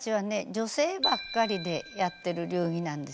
女性ばっかりでやってる流儀なんです。